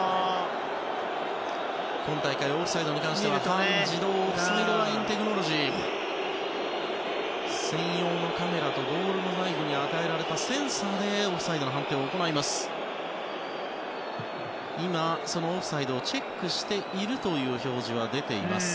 今大会オフサイドに関しては半自動オフサイドラインテクノロジー専用のカメラとボールに与えられたセンサーでオフサイドの判定を行います。